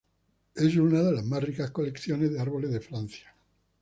Es una de las más ricas colecciones de árboles de Francia.